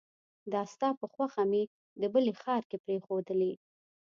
دا ستا په خوښه مې د بلې ښار کې پريښودلې